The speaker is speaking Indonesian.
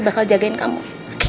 masakannya tante enak banget